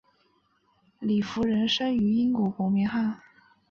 李福仁生于英国伯明翰。